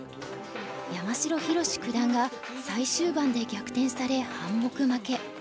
山城宏九段が最終盤で逆転され半目負け。